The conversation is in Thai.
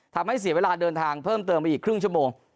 ทำให้เสียเวลาเดินทางเพิ่มเติมไปอีกครึ่งชั่วโมง